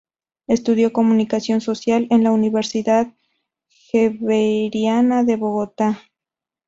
Estudió comunicación social en la Universidad Javeriana de Bogotá.